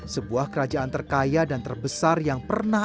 sebuah kerajaan terkaya dan terbesar yang pernah